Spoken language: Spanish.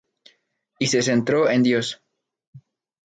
Y se centró en Dios.